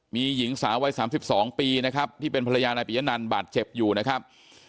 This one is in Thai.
มีหญิงสาววัย๓๒ปีนะครับที่เป็นภรรยานายปียะนันบาดเจ็บอยู่นะครับ